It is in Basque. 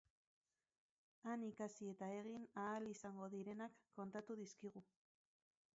Han ikasi eta egin ahal izango direnak kontatu dizkigu.